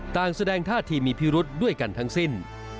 ต่างแสดงภาพที่มีพลิรุษด้วยกันทั้งสิ้น